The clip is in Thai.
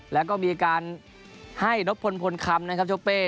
แล้วก็มีอาการให้หนพนภนคำนะครับเจ้าเป้